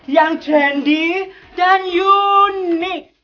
yang trendy dan unik